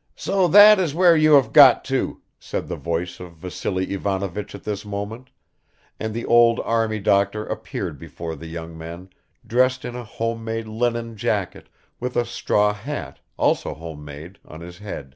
. "So that is where you have got to," said the voice of Vassily Ivanovich at this moment, and the old army doctor appeared before the young men dressed in a homemade linen jacket, with a straw hat, also homemade, on his head.